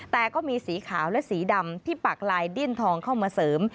แต่ก็มีสีขาวและสีดำที่ปากลายดิ้นทองเข้ามาเสริม